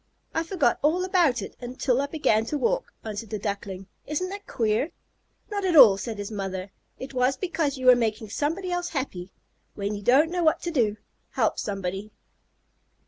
"I forgot all about it until I began to walk," answered the Duckling. "Isn't that queer?" "Not at all," said his mother. "It was because you were making somebody else happy. 'When you don't know what to do, help somebody.'"